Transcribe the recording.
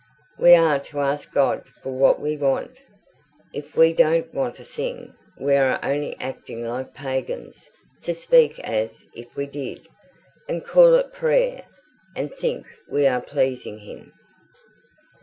"We are to ask God for what we want. If we don't want a thing, we are only acting like pagans to speak as if we did, and call it prayer, and think we are pleasing him."